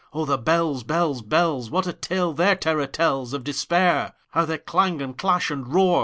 Oh, the bells, bells, bells! What a tale their terror tellsOf Despair! How they clang, and clash, and roar!